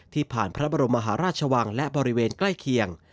ผ่านพระบรมมหาราชวังและบริเวณใกล้เคียง